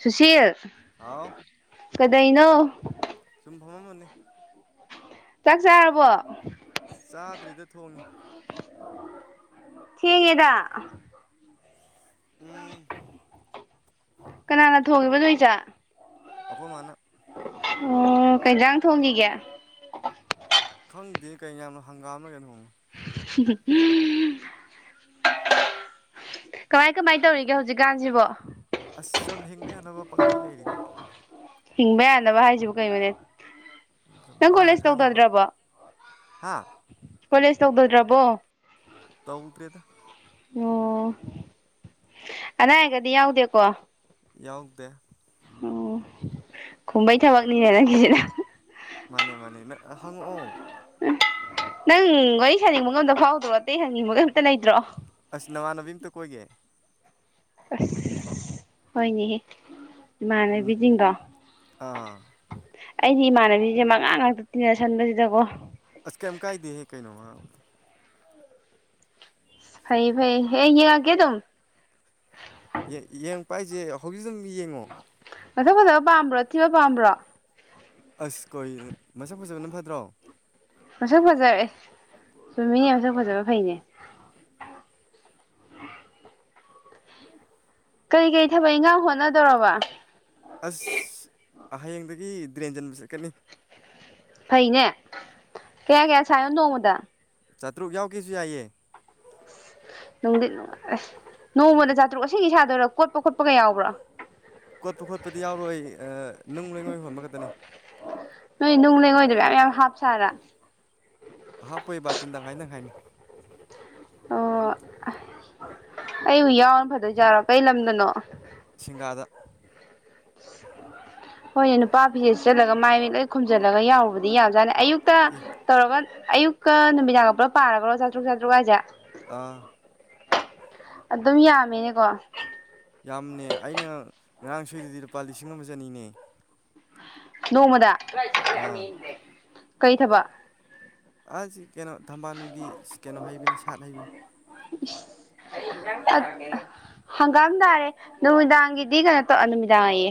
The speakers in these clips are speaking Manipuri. ꯁꯨꯁꯤꯜ ꯍꯥꯎ ꯀꯗꯥꯏꯩꯅꯣ ꯐꯃ ꯃꯅꯦ ꯆꯥꯛ ꯆꯥꯔꯕꯣ ꯆꯥꯗ꯭ꯔꯤꯗ ꯊꯣꯡꯉꯤ ꯊ ꯌꯦꯗ ꯎꯝ ꯀꯅꯥꯅ ꯊꯣꯡꯉꯤꯕꯅꯣ ꯏꯆꯥ ꯑꯣꯈꯣ ꯃꯥꯅ ꯎꯝ ꯀꯩꯖꯥꯡ ꯊꯣꯡꯉꯤꯒꯦ ꯈꯪꯗꯤ ꯀꯩꯅ ꯌꯥꯝꯅ ꯍꯪꯒꯥꯝꯒꯅꯣꯣꯡꯉ ꯀꯃꯥꯏ ꯀꯃꯥꯏ ꯇꯧꯔꯤꯒꯦ ꯍꯧꯖꯤꯛꯀꯥꯟꯁꯤꯕꯣ ꯑꯁ ꯁꯨꯝ ꯍꯤꯡꯕ ꯌꯥꯅꯕ ꯄꯪꯂꯩ ꯂꯩꯔꯤꯗ ꯍꯤꯡꯕ ꯌꯥꯅꯕ ꯍꯥꯏꯁꯤꯕꯨ ꯀꯩꯅꯣꯅꯦ ꯁꯨꯝ ꯅꯪ ꯀꯣꯂꯦꯖ ꯇꯧꯗꯗ꯭ꯔꯕꯣ ꯍꯥꯥ ꯀꯣꯂꯦꯖ ꯇꯧꯕꯗꯗ꯭ꯔꯕꯣ ꯇꯧꯗ꯭ꯔꯦꯗ ꯑꯣ ꯑꯅꯥ ꯑꯌꯦꯛꯒꯗꯤ ꯌꯥꯎꯗꯦꯀꯣ ꯌꯥꯎꯗꯦ ꯑꯣ ꯈꯨꯝꯕꯩ ꯊꯕꯛꯅꯤꯅꯦ ꯅꯪꯒꯤꯖꯤꯅ ꯃꯅꯦ ꯃꯅꯦ ꯅꯪ ꯍꯪꯉꯛꯑꯣ ꯅꯪ ꯋꯥꯔꯤ ꯁꯥꯅꯤꯡꯕꯒ ꯑꯝꯇ ꯐꯥꯎꯗ꯭ꯔꯣ ꯑꯇꯩ ꯍꯡꯅꯤꯡꯕꯒ ꯑꯝꯇ ꯂꯩꯇ꯭ꯔꯣ ꯑꯁ ꯅꯃꯥꯟꯅꯕꯤ ꯑꯝꯇ ꯀꯈꯣꯏꯒꯦ ꯑꯁ ꯍꯣꯏꯅꯦꯍꯦ ꯏꯃꯥꯟꯅꯕꯤ ꯖꯤꯡꯗꯣ ꯑꯥ ꯑꯩꯗꯤ ꯏꯃꯥꯟꯅꯕꯤꯁꯦ ꯃꯉꯥ ꯉꯥꯛꯇ ꯇꯤꯟꯅꯁꯟꯕꯁꯤꯗꯀꯣ ꯑꯁ ꯀꯦꯝ ꯀꯥꯏꯗꯦ ꯀꯩꯏꯅꯣ ꯃꯥ ꯐꯩ ꯐꯩꯌꯦ ꯌꯦꯡꯉꯛꯀꯦꯗꯨꯝ ꯌꯦꯡꯉꯛꯄ ꯍꯥꯏꯁꯦ ꯍꯧꯖꯤꯛ ꯑꯗꯨꯝ ꯌꯦꯡꯉꯣ ꯃꯁꯛ ꯐꯖꯕ ꯄꯥꯝꯕ꯭ꯔꯣ ꯊꯤꯕ ꯄꯥꯝꯕ꯭ꯔꯣ ꯑꯁ ꯀꯩꯅꯣ ꯃꯁꯛ ꯐꯖꯕꯅ ꯐꯠꯇ꯭ꯔꯣ ꯃꯁꯛ ꯐꯖꯔꯦ ꯆꯨꯝꯃꯤꯅꯦ ꯃꯁꯛ ꯐꯖꯕ ꯐꯩꯅꯦ ꯀꯔꯤ ꯀꯔꯤ ꯊꯕꯛ ꯏꯟꯈꯥꯡ ꯍꯣꯠꯅꯗꯧꯔꯕ ꯑꯁ ꯍꯌꯦꯡꯗꯒꯤ ꯇ꯭ꯔꯦꯟ ꯆꯟꯕ ꯆꯠꯀꯅꯤ ꯐꯩꯅꯦ ꯀꯌꯥ ꯀꯌꯥ ꯁꯥꯏꯅꯣ ꯅꯣꯡꯃꯗ ꯆꯥꯇ꯭ꯔꯨꯛ ꯌꯥꯎꯒꯦꯁꯨ ꯌꯥꯏꯌꯦ ꯑꯁ ꯅꯨꯡꯗꯤ ꯑꯁ ꯅꯣꯡꯃꯗ ꯆꯥꯇ꯭ꯔꯨꯛ ꯑꯁꯦꯡꯀꯤ ꯁꯥꯗꯣꯏꯔꯥ ꯀꯣꯠꯄ ꯈꯣꯠꯄꯒ ꯌꯥꯎꯕ꯭ꯔꯣ ꯀꯣꯠꯄ ꯈꯣꯠꯄꯗꯤ ꯌꯥꯎꯔꯣꯏ ꯅꯨꯡ ꯂꯩꯉꯣꯏ ꯍꯣꯟꯕ ꯈꯛꯇꯅꯤ ꯅꯣꯏ ꯅꯨꯡ ꯂꯩꯉꯣꯏꯗꯨ ꯃꯌꯥꯝ ꯃꯌꯥꯝ ꯍꯥꯞ ꯆꯥꯠꯂ ꯍꯥꯞꯄꯣꯏ ꯕꯥꯇꯤꯟ ꯇꯪꯈꯥꯏ ꯇꯣꯈꯥꯏ ꯅꯤ ꯑꯣ ꯑꯩꯕꯨ ꯌꯥꯎꯅ ꯐꯗꯣꯏꯖꯥꯔꯣ ꯀꯩ ꯂꯝꯗꯅꯣ ꯁꯤꯡꯒꯥꯗ ꯍꯣꯏꯅꯦ ꯅꯨꯄꯥ ꯐꯤꯁꯦꯠ ꯆꯜꯂꯒ ꯃꯥꯏ ꯃꯤꯠ ꯂꯣꯏ ꯈꯨꯝꯖꯤꯜꯂꯒ ꯌꯥꯎꯔꯨꯕꯗꯤ ꯌꯥꯕꯖꯥꯠꯅꯤ ꯑꯌꯨꯛꯇ ꯇꯧꯔꯒ ꯑꯌꯨꯛꯀ ꯅꯨꯃꯤꯗꯥꯡꯒ ꯄꯨꯂꯞ ꯄꯥꯔꯒꯔꯣ ꯆꯥꯇ꯭ꯔꯨꯛ ꯆꯥꯇ꯭ꯔꯨꯛ ꯍꯥꯏꯖꯦ ꯑꯥ ꯑꯗꯨꯝ ꯌꯥꯝꯃꯤꯅꯦꯀꯣ ꯌꯥꯝꯅꯦ ꯑꯩꯅ ꯉꯔꯥꯡ ꯁꯨꯏꯗꯨꯗꯤ ꯂꯨꯄꯥ ꯂꯤꯁꯤꯡ ꯑꯃ ꯆꯅꯤꯅꯦ ꯅꯣꯡꯃꯗ ꯑꯥ ꯀꯩ ꯊꯕꯛ ꯑꯁꯤ ꯀꯩꯅꯣ ꯊꯝꯕꯥꯅꯨꯒꯤ ꯀꯩꯅꯣ ꯍꯩꯕꯅꯤ ꯁꯥꯠ ꯍꯩꯕꯅꯤ ꯍꯪꯒꯥꯝ ꯇꯥꯔꯦ ꯅꯨꯃꯤꯗꯥꯡꯒꯤꯗꯤ ꯀꯩꯅꯣ ꯇꯧ ꯅꯨꯃꯤꯗꯥꯡ ꯑꯌꯦ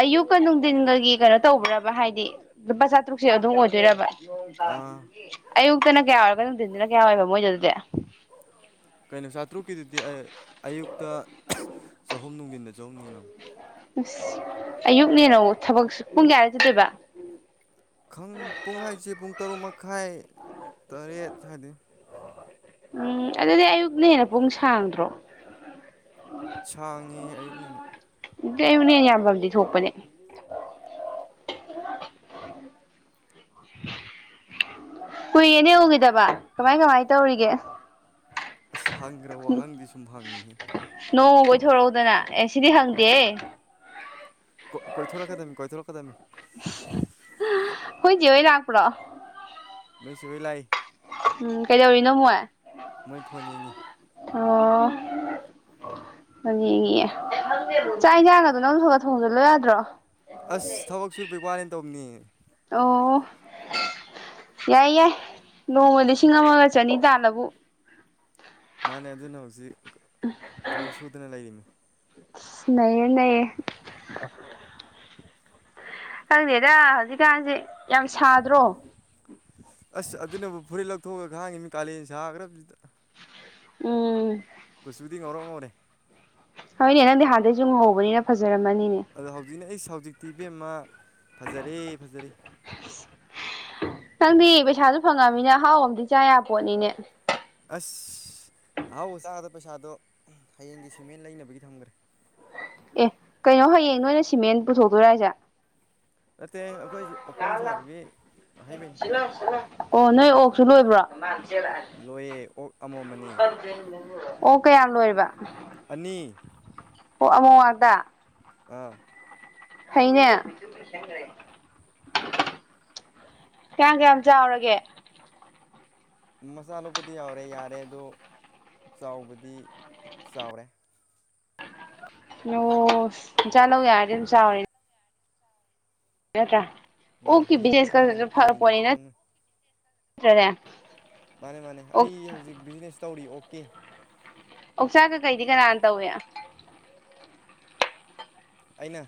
ꯑꯌꯨꯛꯀ ꯅꯨꯡꯊꯤꯟꯒꯒꯤ ꯀꯩꯅꯣ ꯇꯧꯕ꯭ꯔꯕ ꯍꯥꯏꯗꯤ ꯂꯨꯄꯥ ꯆꯥꯇꯔꯨꯛꯁꯦ ꯑꯗꯨꯝ ꯑꯣꯏꯗꯣꯏꯔꯕ ꯑꯥ ꯑꯌꯨꯛ ꯇꯅ ꯀꯌꯥ ꯑꯣꯏꯔꯒ ꯅꯨꯡꯊꯤꯟꯗꯅ ꯀꯌꯥ ꯑꯣꯏꯕ ꯃꯣꯏꯗꯨ ꯑꯗꯨꯗꯤ ꯅ ꯆꯥꯇꯔꯨꯛꯀꯤꯗꯗꯨꯗꯤ ꯑꯩ ꯑꯌꯨꯛꯇ ꯆꯍꯨꯝ ꯅꯨꯡꯊꯤꯟꯗ ꯗꯣ ꯍꯪꯉꯤꯅꯤ ꯑꯌꯨꯛꯅꯦꯅꯣ ꯊꯕꯛ ꯄꯨꯡ ꯀꯌꯥꯗ ꯆꯠꯇꯣꯏꯕ ꯈꯪ ꯄꯨꯡ ꯍꯥꯏꯁꯦ ꯄꯨꯡ ꯇꯔꯨꯛ ꯃꯈꯥꯏ ꯇꯔꯦꯠ ꯁꯥꯏꯗꯤ ꯎꯝ ꯑꯗꯨꯗꯤ ꯑꯌꯨꯛꯅꯦꯅ ꯄꯨꯡ ꯁꯥꯟꯗ꯭ꯔꯣ꯫ ꯁꯥꯡꯉꯤ ꯑꯌꯨꯛꯅꯤꯅ ꯗꯨ ꯑꯩꯉꯣꯟꯗꯥ ꯍꯦꯟꯅ ꯌꯥꯝꯕꯗꯤ ꯊꯣꯛꯄꯅꯦ ꯀꯨꯏꯔꯦꯅꯦ ꯎꯈꯤꯗꯕ ꯀꯃꯥꯏ ꯀꯃꯥꯏ ꯇꯧꯔꯤꯒꯦ ꯑ ꯍꯪꯈ꯭ꯔ ꯋꯥꯍꯪꯗꯤ ꯁꯨꯝ ꯍꯪꯉꯤꯍꯦ ꯊꯣꯔꯧꯗꯅ ꯑꯦ ꯁꯤꯗꯤ ꯍꯪꯗꯦꯍꯦ ꯀ ꯀꯣꯏꯊꯣꯔꯀꯗꯃꯤ ꯀꯣꯏꯊꯣꯔꯀꯗꯃꯤ ꯍꯣꯏ ꯅꯦ ꯍꯣꯏ ꯂꯥꯛꯄ꯭ꯔꯣ ꯅꯣꯏꯁꯤ ꯍꯣꯏ ꯂꯥꯏ ꯎꯝ ꯀꯩꯗꯧꯔꯤꯅꯣ ꯃꯣꯏ ꯃꯣꯏ ꯐꯣꯟ ꯌꯦꯡꯉꯤ ꯑꯣ [unintelligible] ꯌꯦꯡꯉꯤ ꯆꯥꯛ ꯏꯟꯁꯥꯡꯒꯗꯣ ꯅꯪ ꯈ-ꯈ ꯊꯣꯡꯖꯜꯂꯣ ꯌꯥꯗ꯭ꯔꯣ ꯑꯁ ꯊꯕꯛ ꯁꯨꯔꯄꯩ ꯋꯥꯔꯦꯅ ꯇꯧꯅꯤ ꯑꯣ ꯌꯥꯏ ꯌꯥꯏ ꯅꯣꯡꯃ ꯂꯤꯁꯤꯡ ꯑꯃꯒ ꯆꯅꯤ ꯇꯥꯜꯂꯕꯨ ꯃꯥꯅꯦ ꯑꯗꯨꯅ ꯍꯧꯖꯤꯛ ꯊꯕꯛ ꯁꯨꯗꯅ ꯂꯩꯔꯤꯅꯤ ꯅꯌꯦ ꯅꯌꯦ ꯈꯪꯗꯦꯗ ꯍꯧꯖꯤꯛꯀꯥꯟꯁꯦ ꯌꯥꯝ ꯁꯥꯗ꯭ꯔꯣ ꯑꯁ ꯑꯗꯨꯅꯕꯨ ꯐꯨꯔꯤꯠ ꯂꯧꯊꯣꯛꯑꯒ ꯈꯥꯡꯉꯤꯃꯤ ꯀꯥꯂꯦꯟ ꯁꯥꯈ꯭ꯔꯕꯗꯨꯗ ꯎꯝ ꯀꯨꯆꯨꯗꯤ ꯉꯧꯔꯣꯛ ꯉꯧꯔꯦ ꯍꯣꯏꯅꯦ ꯅꯪꯗꯤ ꯍꯥꯟꯗꯩꯁꯨ ꯉꯍꯧꯕꯅꯤꯅ ꯐꯖꯔꯝꯃ ꯑꯗ ꯍꯧꯖꯤꯅꯦ ꯑꯩꯁ ꯍꯧꯖꯤꯛꯇꯤ ꯏꯕꯦꯝꯃ ꯐꯖꯔꯦ ꯐꯖꯔꯦ ꯅꯪꯗꯤ ꯄꯩꯁꯥꯁꯨ ꯐꯪꯉꯃꯤꯅ ꯑꯍꯥꯎꯕꯝꯗꯤ ꯆꯥ ꯌꯥꯕ ꯄꯣꯠꯅꯤꯅꯦ ꯑꯁ ꯑꯍꯥꯎꯕ ꯆꯥꯒꯗ ꯄꯩꯁꯥꯗꯣ ꯍꯌꯦꯡꯒꯤ ꯁꯤꯃꯦꯟ ꯂꯩꯅꯕꯒꯤ ꯊꯝꯈ꯭ꯔꯦ ꯑꯦ ꯀꯩꯅꯣ ꯍꯌꯦꯡ ꯅꯣꯏꯅ ꯁꯤꯃꯦꯟ ꯄꯨꯊꯣꯛꯇꯣꯏꯔꯥ ꯍꯥꯏꯁꯦ ꯅꯇꯦ ꯑꯣ ꯅꯣꯏ ꯑꯣꯛꯁꯨ ꯂꯣꯏꯕ꯭ꯔꯣ [unintelligible] ꯂꯣꯏꯌꯦ ꯑꯣꯛ ꯑꯃꯣꯝꯃꯅꯤ ꯑꯣ ꯀꯌꯥꯝ ꯂꯣꯏꯔꯤꯕ ꯑꯅꯤ ꯗꯥ ꯍꯥꯎ ꯐꯩꯅꯦ ꯀꯌꯥꯝ ꯀꯌꯥꯝ ꯆꯥꯎꯔꯒꯦ ꯃꯆꯥ ꯂꯣꯛꯄꯗꯤ ꯌꯥꯎꯔꯦ ꯌꯥꯔꯦ ꯑꯗꯣ ꯆꯥꯎꯕꯗꯤ ꯆꯥꯎꯔꯦ ꯑꯣ ꯆꯥ ꯂꯧ ꯌꯥꯔꯗꯤ ꯑꯗꯨꯝ ꯆꯥꯎꯔꯦꯅꯦ ꯅꯠꯇ꯭ꯔ ꯃꯥꯅꯦ ꯌꯦꯡꯉ ꯈꯪꯒꯅꯤ ꯌꯦꯡꯗ꯭ꯔꯗꯤ ꯈꯪꯉꯣꯏ ꯇ꯭ꯔꯅꯦ ꯃꯥꯅꯦ ꯃꯥꯅꯦ ꯑꯩ ꯍꯧꯖꯤꯛ ꯕꯤꯖꯤꯅꯦꯁ ꯇꯧꯔꯤ ꯑꯣ ꯀꯤ ꯑꯣꯛꯆꯥꯛ ꯀꯀꯩꯗꯤ ꯀꯅꯥꯅ ꯇꯧꯋꯤ ꯑꯩꯅ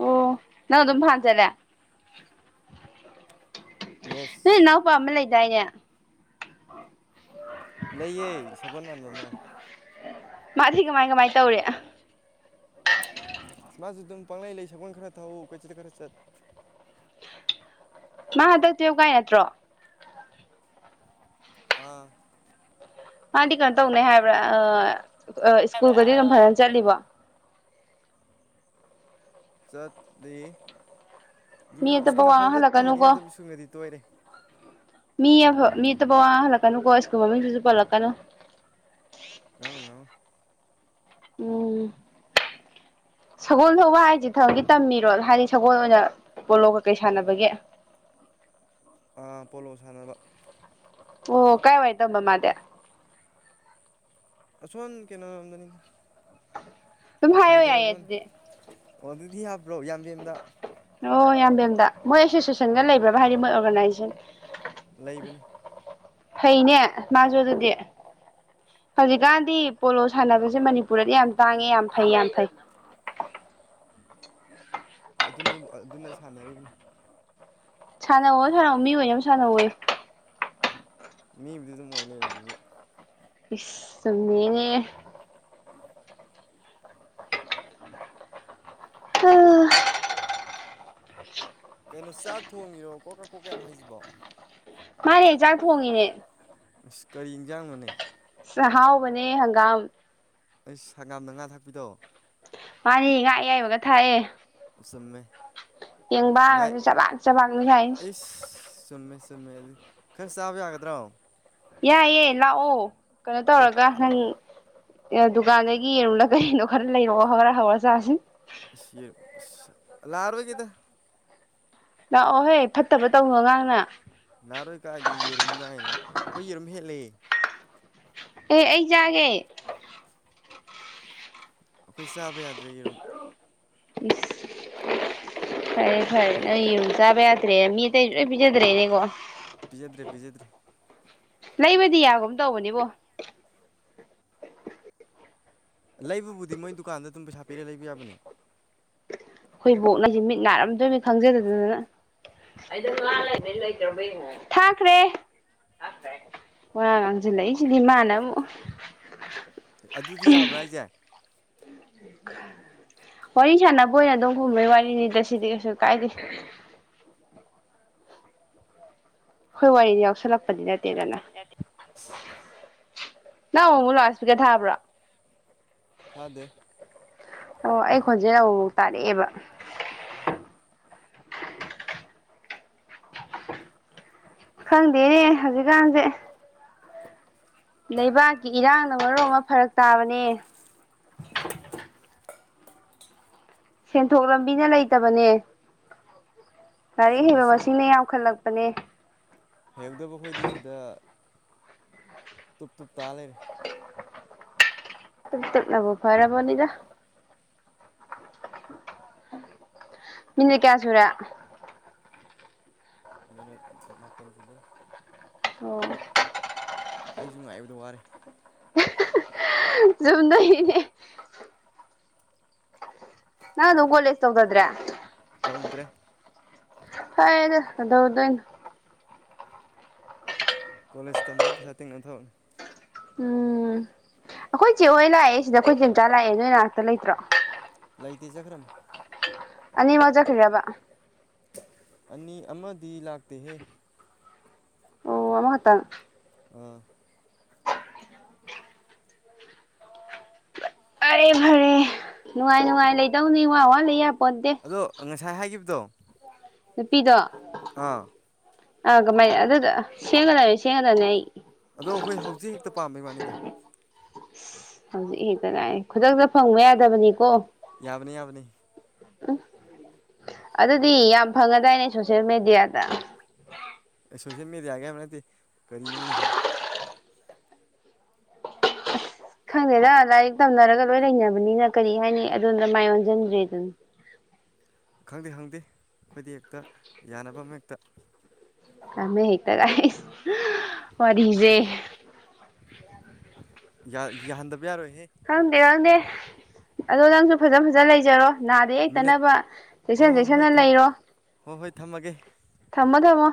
ꯑꯣ ꯅꯪ ꯑꯗꯨꯝ ꯐꯥꯟ ꯆꯠꯂꯦ ꯌꯦꯁ ꯅꯣꯢ ꯅꯅꯥꯎꯄꯥ ꯑꯃ ꯂꯩ ꯗꯥꯏꯅꯦ ꯂꯩꯌꯦ ꯁꯒꯣꯜ ꯃꯥꯟꯕ ꯑꯃ ꯃꯥꯗꯤ ꯀꯃꯥꯏ ꯀꯃꯥꯥꯏ ꯇꯧꯔꯤ ꯃꯥꯁꯨ ꯑꯗꯨꯝ ꯄꯥꯡꯂꯩ ꯂꯩ ꯁꯒꯣꯜ ꯈꯔ ꯊꯧ ꯀꯣꯏꯆꯠ ꯈꯔ ꯆꯠ ꯃꯥ ꯍꯟꯗꯛ ꯇꯨꯌꯦꯜꯐ ꯀꯥꯏ ꯅꯠꯇ꯭ꯔꯣ ꯑꯥ ꯃꯥꯗꯤ ꯀꯩꯅꯣ ꯇꯧꯅꯤ ꯍꯥꯏꯕ꯭ꯔꯥ ꯑ ꯁ꯭ꯀꯨꯜꯒꯗꯤ ꯑꯗꯨꯝ ꯐꯖꯅ ꯆꯠꯂꯤꯕꯣ ꯆꯠꯂꯤ ꯑꯗꯨꯝ ꯃꯤ ꯑꯇꯣꯞꯄ ꯁ꯭ꯀꯨꯜ ꯋꯥ ꯑꯐꯕ ꯇꯝꯕꯅꯤꯅ ꯉꯥꯡꯍꯜꯂꯛꯀꯅꯨꯀꯣ ꯑꯗꯨꯝ ꯁ꯭ꯀꯨꯜꯒꯗꯤ ꯇꯣꯏꯔꯦ ꯃꯤꯐ ꯃꯤꯇ ꯄꯕꯋꯥ ꯍꯜꯂꯛꯀꯅꯨꯀꯣ ꯁ꯭ꯀꯨꯜ ꯃꯃꯤꯡꯗꯨꯁꯨ ꯄꯜꯂꯛꯀꯅꯨ ꯉꯥꯡꯉꯨ ꯉꯥꯡꯉꯨ ꯎꯝ ꯁꯒꯣꯜ ꯊꯧꯕ ꯍꯥꯏꯁꯦ ꯊꯕꯛꯗꯤ ꯇꯝꯃꯤꯔꯣ ꯍꯥꯏꯗꯤ ꯁꯒꯣꯜ ꯑꯣꯏꯅ ꯄꯣꯂꯣ ꯀꯀꯩ ꯁꯥꯟꯅꯕꯒꯦ ꯑ ꯄꯣꯂꯣ ꯁꯥꯟꯅꯕ ꯑꯣ ꯀꯥꯏ ꯋꯥꯥꯏ ꯇ ꯑꯝꯕ ꯃꯥꯗ ꯑꯁꯋꯥꯟ ꯀꯩꯅ ꯑꯝꯗꯅꯤꯗ ꯑꯗꯨꯝ ꯍꯥꯏꯌꯣ ꯌꯥꯏꯌꯦ ꯐꯗꯔꯒꯣꯟ ꯑꯗꯨꯗꯤ ꯑꯣ ꯑꯗꯨꯗꯤ ꯍꯥꯞꯄ꯭ꯔꯣ ꯌꯥꯝꯕꯦꯝꯗ ꯑꯣ ꯌꯥꯝꯕꯦꯝꯗ ꯃꯣꯏ ꯑꯦꯁꯣꯁꯤꯌꯦꯁꯟꯗ ꯎꯝ ꯂꯩꯕ꯭ꯔꯕ ꯍꯥꯏꯗꯤꯣꯏ ꯅꯥꯏꯁ ꯂꯩꯕꯅꯤ ꯐꯩꯅꯦ ꯃꯥꯁꯨ ꯑꯗꯨꯗꯤ ꯍꯧꯖꯤꯛꯀꯥꯟꯗꯤ ꯄꯣꯂꯣ ꯁꯥꯟꯅꯕꯁꯦ ꯃꯅꯤꯄꯨꯔꯗꯗꯤ ꯌꯥꯝ ꯇꯥꯡꯉꯦ ꯌꯥꯝ ꯐꯩ ꯌꯥꯝ ꯐꯩ ꯑꯗꯨꯅ ꯑꯗꯨꯅ ꯁꯥꯟꯅꯔꯤꯕꯅꯤ ꯁꯥꯟꯅꯧ ꯁꯥꯟꯅꯕ ꯃꯤ ꯍ ꯑꯣꯏꯅ ꯌꯥꯝ ꯁꯥꯟꯅꯧꯋꯦ ꯃꯤꯕꯨꯗꯤ ꯑꯗꯨꯝ ꯑꯣꯏ ꯂꯩꯔꯁꯨꯕꯨ ꯏꯃꯦꯅꯦ ꯎꯝ ꯀꯩꯅꯣ ꯆꯥꯛ ꯊꯣꯡꯉꯤꯔꯣ ꯀꯣ ꯀ ꯀꯣ ꯀꯌꯥꯝ ꯍꯥꯏꯁꯤꯕꯣ ꯃꯥꯅꯦ ꯍ ꯆꯥꯛ ꯊꯣꯡꯉꯤꯅꯦ ꯑꯁ ꯀꯔꯤ ꯌꯦꯟꯖꯥꯡꯅꯣꯅꯦ ꯑꯍꯥꯑꯣꯕꯅꯦ ꯍꯡꯒꯥꯝ ꯑꯩꯁ ꯁꯪꯒꯥꯝꯅ ꯉꯥ ꯊꯥꯛꯄꯤꯗꯣ ꯃꯥꯅꯤ ꯉꯥ ꯑꯌꯥꯏꯕꯒ ꯊꯥꯏꯑꯦ ꯆꯨꯝꯃꯦ ꯉꯥꯏ ꯄꯦꯪꯕꯥꯒꯁꯨ ꯆꯕꯥꯛ ꯆꯕꯥꯥꯛꯅꯤ ꯍꯥꯏꯁ ꯆꯨꯝꯃꯦꯗꯤ ꯈꯔ ꯆꯥꯕ ꯌꯥꯒꯗ꯭ꯔꯣ ꯌꯥꯏꯌꯦ ꯂꯥꯛꯑꯣ ꯀꯩꯅꯣ ꯑꯗꯣ ꯇꯧꯔꯒ ꯑ ꯅꯪ ꯗꯨꯀꯥꯟꯗꯒꯤ ꯌꯦꯡꯔꯨꯝꯗ ꯀꯩꯅꯣ ꯈꯔ ꯂꯩꯔꯛꯑꯣ ꯍꯧꯒꯔ ꯍꯧꯒꯔ ꯆꯥꯥꯁꯦ ꯂꯥꯛ ꯑꯔꯣꯏꯒꯦꯗꯥ ꯂꯥꯛꯑꯣꯍꯦ ꯐꯠꯇꯕ ꯇꯧꯅꯣ ꯉꯥꯡꯅ ꯅꯍꯥꯔꯣꯏ ꯀꯥꯏꯗ ꯌꯦꯔꯨꯝ ꯀꯥꯏꯅ ꯑꯩꯈꯣꯏ ꯌꯦꯔꯨꯝ ꯍꯦꯜꯂ ꯑꯦ ꯑꯩ ꯆꯥꯒꯦ ꯑꯩꯈꯣꯏ ꯆꯥꯕ ꯌꯥꯗ꯭ꯔꯦ ꯌꯦꯔꯨꯝꯝ ꯐꯔꯦ ꯐꯔꯦ ꯅꯣꯏ ꯌꯦꯔꯨꯝ ꯆꯕꯥꯌꯥ ꯠꯇ꯭ꯔꯦ ꯃꯤꯗꯤ ꯂꯣꯏ ꯄꯤꯖꯗ꯭ꯔꯦꯅꯦꯀꯣ ꯄꯤꯖꯗ꯭ꯔꯦ ꯄꯤꯖꯗ꯭ꯔꯦ ꯂꯩꯕꯗꯤ ꯌꯥꯒꯨꯝ ꯇꯧꯕꯅꯦꯕꯣ ꯂꯩꯕꯕꯨꯗꯤ ꯃꯣꯏ ꯗꯨꯀꯥꯟꯗ ꯑꯗꯨꯝ ꯄꯩꯁꯥ ꯄꯤꯔꯦ ꯂꯩꯕ ꯌꯥꯕꯅꯤ ꯑꯩꯈꯣꯏ ꯕꯣꯛꯅꯁꯤꯦ ꯃꯤꯠ ꯅꯥꯔꯝꯗꯣꯏꯅꯤ ꯈꯪꯖꯗꯗꯗꯅ ꯊꯥꯈ꯭ꯔꯦ ꯋꯥꯔꯥꯡ ꯉꯥꯡꯁꯤꯜꯂꯛꯏꯁꯤꯗꯤ ꯏ ꯃꯥꯅ ꯑꯃꯨꯛ ꯑꯗꯨꯗꯤ ꯌꯥꯕ꯭ꯔꯥ ꯍꯥꯏꯁꯦ ꯋꯥꯔꯤ ꯁꯥꯟꯅꯕ ꯑꯣꯏꯅ ꯑꯗꯨꯝ ꯈꯨꯝꯕꯩ ꯋꯥꯔꯤꯅꯤꯗ ꯁꯤꯗꯤ ꯀꯩꯁꯨ ꯀꯥꯏꯗꯦ ꯍꯣꯏ ꯋꯥꯔꯤ ꯌꯥꯎꯁꯂꯞ ꯄꯗꯤ ꯅꯦꯠꯇꯦꯗꯅ ꯁꯣꯜꯂꯛꯄꯗꯤ ꯅꯠꯇꯦ ꯅ ꯑꯣꯃꯨ ꯂ ꯑꯁ ꯄꯒꯦ ꯊꯥꯄ꯭ꯔ ꯊꯥꯗꯦ ꯑꯣ ꯑꯩ ꯈꯣꯟꯖꯦꯜ ꯑꯃꯐꯥꯎ ꯇꯥꯔꯛꯑꯦꯕ ꯈꯪꯗꯦꯅꯦ ꯍꯧꯖꯤꯛꯀꯥꯟꯁꯦ ꯂꯩꯕꯥꯛꯀꯤ ꯏꯔꯥꯡꯅ ꯃꯔꯣ ꯑꯃ ꯐꯔꯛ ꯇꯥꯕꯅꯦ ꯁꯦꯟꯊꯣꯛ ꯂꯝꯕꯤꯅ ꯂꯩꯇꯕꯅꯦ ꯂꯥꯏꯔꯤꯛ ꯆꯨꯝꯃꯤ ꯍꯕꯕꯥ ꯆꯨꯝꯃꯤ ꯁꯤꯅꯦ ꯌꯥꯜ ꯂꯄ ꯅꯤ ꯍꯩꯍꯧꯗꯕ ꯑꯩꯈꯣꯏꯗꯤ ꯁꯤꯗ ꯇꯨꯞ ꯇꯨꯞ ꯇꯥ ꯂꯩꯦꯔꯦ ꯎ ꯇꯨꯞ ꯇꯨꯞ ꯅꯕꯨ ꯐꯔꯕꯥꯅꯤꯗ ꯃꯤꯟꯅ ꯀꯦꯌꯥ ꯁꯨꯔ ꯃꯤꯅꯠ ꯃꯥꯄꯟ ꯆꯨꯗꯔ ꯑꯣ ꯑꯩꯁꯨ ꯉꯥꯏꯕꯗꯣ ꯋꯥꯔꯦ ꯆꯝꯗꯣꯏꯅꯤ ꯅꯦ ꯅꯥꯟꯒꯣꯂꯦꯁ ꯇꯧꯗꯗ꯭ꯔꯦ ꯇꯧꯗ꯭ꯔꯦ ꯍꯗ ꯑꯗꯨꯗꯗꯅ ꯀꯣꯂꯦꯖ ꯇꯃꯛ ꯄꯩꯁꯥꯇ ꯅꯊꯧ ꯎꯝ ꯑꯩꯈꯣꯏ ꯆꯦ ꯍꯣꯏ ꯂꯥꯛꯑꯦ ꯁꯤꯗ ꯑꯩꯈꯣꯏ ꯆ ꯃꯆꯥ ꯂꯥꯛꯑꯦ ꯅꯣꯏ ꯉꯍꯥꯛꯇ ꯂꯩꯇ꯭ꯔꯣ ꯂꯩꯇꯦ ꯆꯈ꯭ꯔꯝ ꯑꯅꯤ ꯃꯖꯥ ꯈꯔꯕ ꯑꯅꯤ ꯑꯃꯗꯤ ꯂꯥꯛꯇꯦꯍꯦ ꯑꯣ ꯑꯃꯃ ꯍꯥꯠꯇ ꯎꯥ ꯑꯔꯦ ꯐꯔꯦ ꯅꯨꯡꯉꯥꯏ ꯅꯨꯡꯉꯥꯏ ꯂꯩꯗꯧꯅꯤ ꯋꯥ ꯋꯥ ꯂꯩ ꯌꯥꯄꯣꯟꯇꯦ ꯑꯗꯣ ꯉꯁꯥꯏ ꯍꯥꯏꯈꯤꯕ ꯗꯣ ꯅꯨꯄꯤꯗꯣ ꯑꯥ ꯑꯒ ꯃꯥꯏ ꯑꯗꯨ ꯑꯗꯨ ꯁꯦꯡꯉꯗꯦ ꯁꯦꯉꯗꯅꯦꯦ ꯑꯩ ꯑꯗꯣ ꯑꯩꯈꯣꯏ ꯍꯧꯖꯤꯛ ꯍꯦꯛꯇ ꯄꯥꯝꯕꯩ ꯃꯥꯅꯤꯗ ꯍꯧꯖꯤꯛ ꯍꯦꯛꯇ ꯂꯥꯛꯑꯦ ꯈꯨꯗꯛꯇ ꯐꯪꯕ ꯌꯥꯗꯕꯅꯤꯀꯣ ꯌꯥꯕꯅꯤ ꯌꯥꯕꯅꯤ ꯎꯝ ꯑꯗꯨꯗꯤ ꯌꯥꯝ ꯐꯪꯉꯗꯥꯏꯅꯦ ꯁꯣꯁꯌꯦꯦꯜ ꯃꯦꯗꯤꯌꯥꯗ ꯁꯣꯁꯤꯜ ꯃꯗꯤꯌꯥ ꯀꯦꯅꯗꯤ ꯀꯔꯤꯅꯤ ꯍꯅꯤ ꯈꯪꯗꯦꯗ ꯂꯥꯏꯔꯤꯛ ꯇꯝꯅꯔꯒ ꯂꯣꯏ ꯂꯩꯅꯕꯅꯤꯅ ꯀꯔꯤ ꯍꯥꯏꯅꯤ ꯑꯗꯣꯗ ꯃꯥꯏ ꯑꯣꯟꯁꯤꯟꯗ꯭ꯔꯦ ꯑꯗꯨꯅ ꯈꯪꯗꯦ ꯈꯪꯗꯦ ꯑꯩꯈꯣꯏꯗ ꯍꯦꯛꯇ ꯌꯥꯅꯕ ꯑꯃ ꯍꯦꯛꯇ ꯀꯃꯦ ꯍ ꯇꯔ ꯃꯔꯤꯖꯦ ꯌꯥ ꯌꯥ ꯍꯟꯗ ꯄꯌꯥꯔ ꯑꯣꯏꯣꯏ ꯍꯗꯦ ꯋꯥꯗꯦ ꯑꯗꯣ ꯅꯪꯁꯨ ꯐꯖ ꯐꯖꯅ ꯂꯩꯖꯔꯣ ꯅꯥꯗ ꯃꯤꯅꯠ ꯌꯦꯛꯇꯅꯕ ꯑꯣ ꯆꯦꯛꯁꯤꯟ ꯍꯣꯏ ꯆꯦꯛꯁꯤꯟꯅ ꯊꯝ ꯂꯩꯔꯣ ꯍꯣꯏ ꯍꯣꯏ ꯊꯝꯃꯒꯦ ꯊꯃ ꯀꯃꯣ